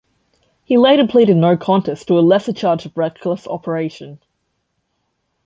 He later pleaded no contest to a lesser charge of reckless operation.